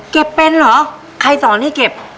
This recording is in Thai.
เป็นเหรอใครสอนให้เก็บ